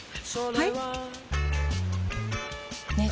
はい！